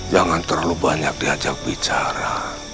jangan terlalu banyak diajak bicara